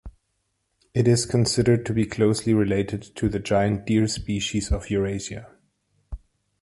It is considered to be closely related to the giant deer species of Eurasia.